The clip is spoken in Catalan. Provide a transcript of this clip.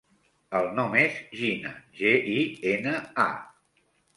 El nom és Gina: ge, i, ena, a.